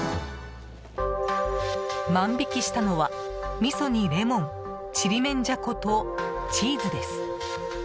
万引きしたのは、みそにレモンちりめんじゃことチーズです。